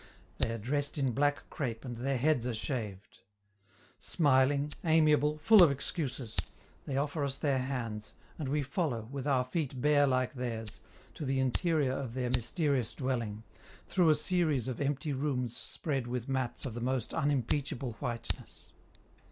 They are dressed in black crape and their heads are shaved. Smiling, amiable, full of excuses, they offer us their hands, and we follow, with our feet bare like theirs, to the interior of their mysterious dwelling, through a series of empty rooms spread with mats of the most unimpeachable whiteness.